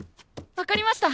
分かりました。